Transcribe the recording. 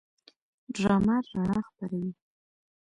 ډرامه رڼا خپروي